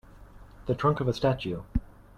The trunk of a statue.